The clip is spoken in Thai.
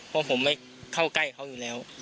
เพราะผมไม่เข้าใกล้เขาอยู่แล้ว